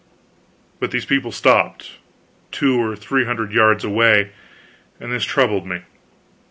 But these people stopped, two or three hundred yards away, and this troubled me.